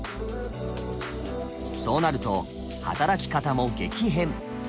そうなると働き方も激変。